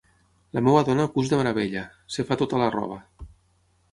La meva dona cus de meravella: es fa tota la roba.